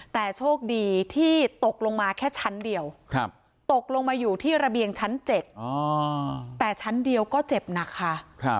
แต่โชคดีที่ตกลงมาแค่ชั้นเดียวตกลงมาอยู่ที่ระเบียงชั้น๗แต่ชั้นเดียวก็เจ็บหนักค่ะ